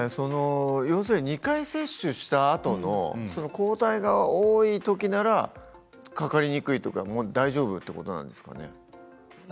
要するに２回接種したあとの抗体が多いときならかかりにくいとか大丈夫ということなんですか？